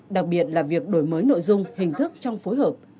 đặc biệt là việc đổi mới nội dung hình thức trong phối hợp